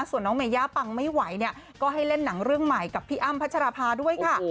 ส่วนน้องเมย่าปังไม่ไหวเนี่ยก็ให้เล่นหนังเรื่องใหม่กับพี่อ้ำพัชราภาด้วยค่ะ